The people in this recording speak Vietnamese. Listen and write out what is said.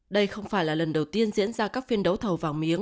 đây không phải là lần đầu tiên diễn ra các phiên đấu thầu vàng miếng